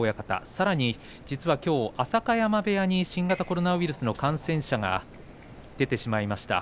さらにきょう浅香山部屋に新型コロナウイルスの感染者が出てしまいました。